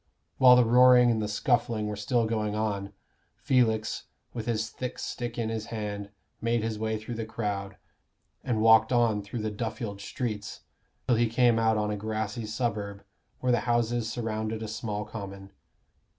While the roaring and the scuffling were still going on, Felix, with his thick stick in his hand, made his way through the crowd, and walked on through the Duffield streets, till he came out on a grassy suburb, where the houses surrounded a small common.